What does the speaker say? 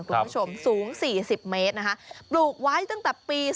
คุณผู้ชมสูง๔๐เมตรนะคะปลูกไว้ตั้งแต่ปี๒๕